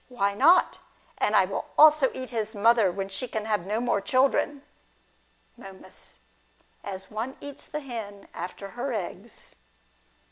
Why not ? and I will also eat his mother when she can have no more children. Momiis. As one eats the hen after her eggs.